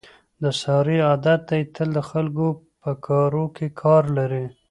د سارې عادت دی تل د خلکو په کاروکې کار لري.